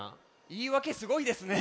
いいわけすごいですね。